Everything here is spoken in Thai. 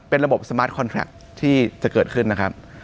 เป็นระบบสมาร์ทคอนแทรคที่จะเกิดขึ้นนะครับ